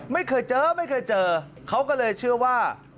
ไม่เคยเจอไม่เคยเจอเขาก็เลยเชื่อว่า